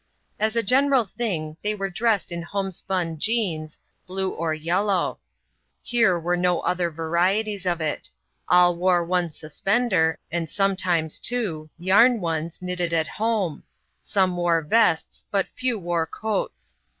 As a general thing, they were dressed in homespun "jeans," blue or yellow here were no other varieties of it; all wore one suspender and sometimes two yarn ones knitted at home, some wore vests, but few wore coats.